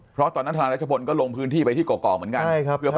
เพราะถนน์ทนาฬัชบนก็ลงพื้นที่ไปที่กกอกเหมือนกัน